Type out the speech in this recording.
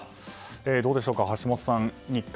どうでしょうか橋下さん、日韓。